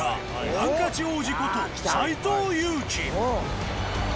ハンカチ王子こと斎藤佑樹。